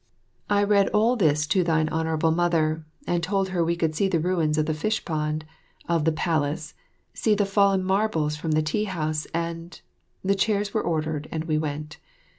I read all this to thine Honourable Mother, and told her we could see the ruins of the fish pond, of the palace, see the fallen marbles from the tea house, and the chairs were ordered, and we went.